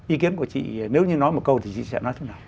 ý kiến của chị nếu như nói một câu thì chị sẽ nói thế nào